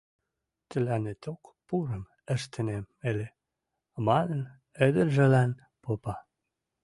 Тӹлӓнеток пурым ӹштӹнем ыльы, — манын, ӹдӹржӹлӓн попа.